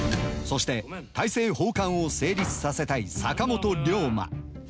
そして大政奉還を成立させたい坂本龍馬。